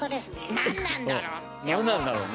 何なんだろうね。